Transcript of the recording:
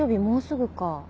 もうすぐか。